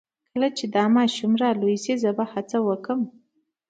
کله چې دا ماشوم را لوی شي زه به هڅه وکړم